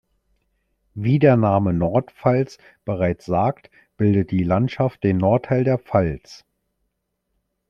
Wie der Name "Nordpfalz" bereits sagt, bildet die Landschaft den Nordteil der Pfalz.